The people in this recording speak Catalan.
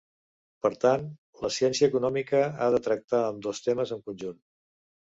Per tant, la ciència econòmica ha de tractar ambdós temes en conjunt.